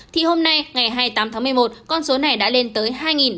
thì hôm nay ngày hai mươi tám tháng một mươi một con số này đã lên tới hai ba trăm linh